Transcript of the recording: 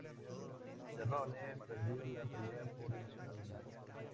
Cerrone perdió la pelea por decisión unánime.